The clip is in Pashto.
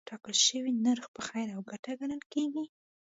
ټاکل شوی نرخ په خیر او ګټه ګڼل کېږي.